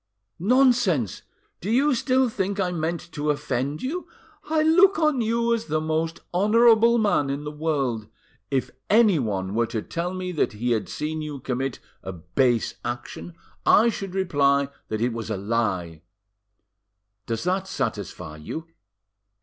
"Nonsense! Do you still think I meant to offend you? I look on you as the most honourable man in the world. If anyone were to tell me that he had seen you commit a base action, I should reply that it was a lie. Does that satisfy you?"